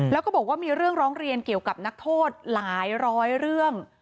แล้วก็บอกว่ามีเรื่องร้องเรียนเกี่ยวกับนักโทษหลายร้อยเรื่อง